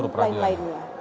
panitera staf dan lain lainnya